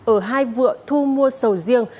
ở hai vượn thu mua sầu riêng